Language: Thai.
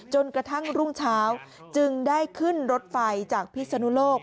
จนกระทั่งรุ่งเช้าจึงได้ขึ้นรถไฟจากพิศนุโลก